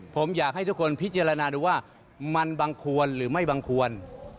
ผมอยากให้ทุกคนพิจารณาดูว่ามันบังควรหรือไม่บังควร